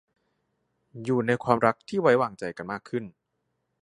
อยู่ในความรักที่ไว้วางใจกันมากขึ้น